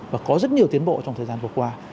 và có rất nhiều tiến bộ trong thời gian vừa qua